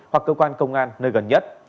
hoặc cơ quan công an nơi gần nhất